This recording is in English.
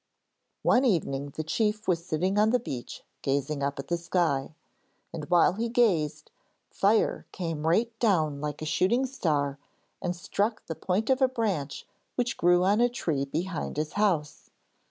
One evening the chief was sitting on the beach gazing up at the sky. And while he gazed, fire came right down like a shooting star, and struck the point of a branch which grew on a tree behind his house.